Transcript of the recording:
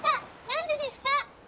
何でですか？』。